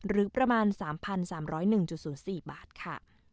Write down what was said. หรือประมาณ๓๓๐๑๐๔บาทค่ะ